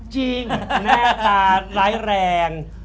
จริงแน่ตาแร้แรง